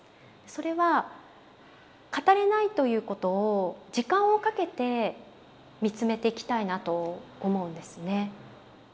それは語れないということを時間をかけてみつめていきたいなと思うんですね。